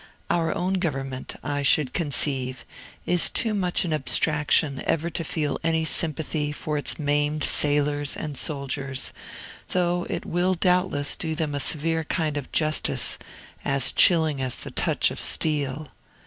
Our own government, I should conceive, is too much an abstraction ever to feel any sympathy for its maimed sailors and soldiers, though it will doubtless do then a severe kind of justice, as chilling as the touch of steel.